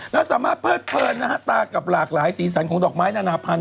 แล้วสามารถเพิดเพลินนะฮะตากับหลากหลายสีสันของดอกไม้นานาพันธ